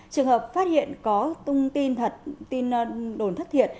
trường hợp phát hiện có tung tin thật tin đồn thất thiệt